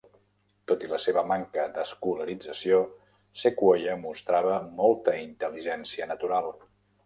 Tot i la seva manca d'escolarització, Sequoyah mostrava molta intel·ligència natural.